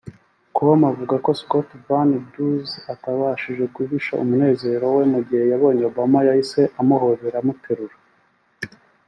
com avuga ko Scott Van Duzer atabashije guhisha umunezero we mu gihe yabonye Obama yahise amuhobera amaterura